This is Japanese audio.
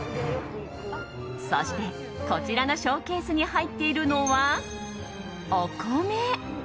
そして、こちらのショーケースに入っているのはお米。